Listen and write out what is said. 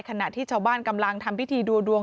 ขณะที่ชาวบ้านกำลังทำพิธีดูดวง